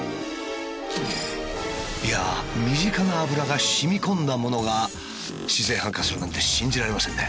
いやあ身近な油が染み込んだものが自然発火するなんて信じられませんね。